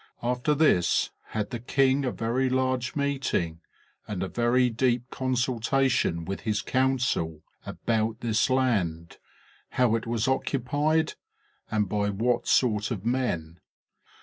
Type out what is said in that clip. After this had the king a very large meeting, and a very deep consultation with his council about this land, how it was occupied, and by what sort of men.